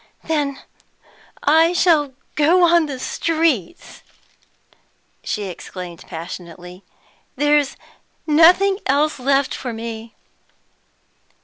"Then I shall go on the streets!" she exclaimed passionately. "There's nothing else left for me."